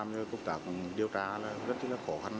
rất là khó hăn